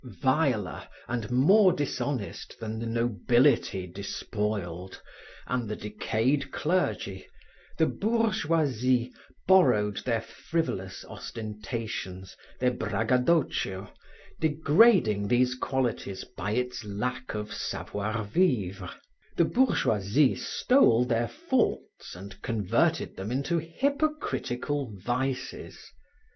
Viler and more dishonest than the nobility despoiled and the decayed clergy, the bourgeoisie borrowed their frivolous ostentations, their braggadoccio, degrading these qualities by its lack of savoir vivre; the bourgeoisie stole their faults and converted them into hypocritical vices.